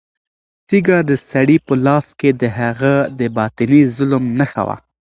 تیږه د سړي په لاس کې د هغه د باطني ظلم نښه وه.